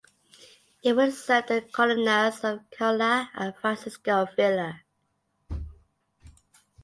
It will serve the "colonias" of Carola and Francisco Villa.